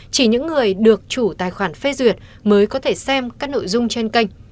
chỉ những người được chủ tài khoản phê duyệt mới có thể xem các nội dung trên kênh